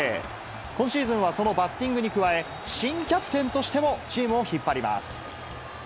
今シーズンはそのバッティングに加え、新キャプテンとしてもチームを引っ張ります。